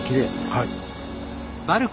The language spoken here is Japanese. はい。